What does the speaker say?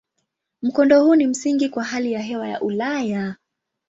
Mkondo huu ni msingi kwa hali ya hewa ya Ulaya.